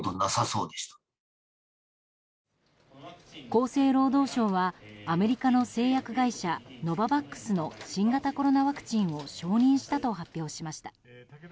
厚生労働省はアメリカの製薬会社ノババックスの新型コロナワクチンを承認したと発表しました。